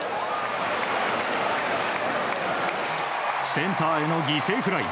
センターへの犠牲フライ。